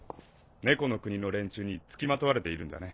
猫の国の連中につきまとわれているんだね。